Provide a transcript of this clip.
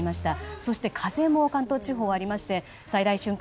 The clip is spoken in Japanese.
そして風も関東地方ありまして最大瞬間